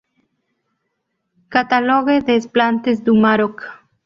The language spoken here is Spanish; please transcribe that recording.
Catalogue des Plantes du Maroc.